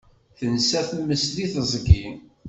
Tensa tmest di tiẓgi.